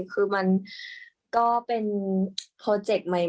คือมันก็เป็นโปรเจคใหม่